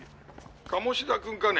「鴨志田君かね？